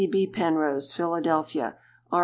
C. B. Penrose, Philadelphia. R.